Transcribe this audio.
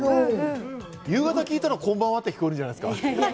夕方聞いたら、こんばんはって聞こえるんじゃないですか。